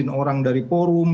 mengusirin orang dari forum